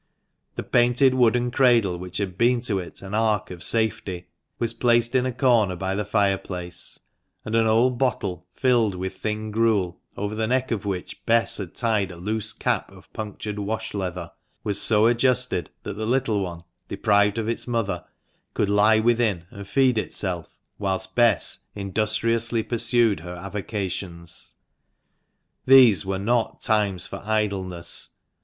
The painted wooden cradle, which had been to it an ark of safety, was placed in a corner by the fireplace ; and an old bottle, filled with thin gruel, over the neck of which Bess had tied a loose cap of punctured wash leather, was so adjusted that the little one, deprived of its mother, could lie within and feed itself whilst Bess industriously pursued her avocations. These were not times for idleness.